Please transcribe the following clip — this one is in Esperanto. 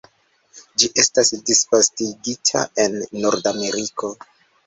Ĝi estas disvastigita en Nordameriko.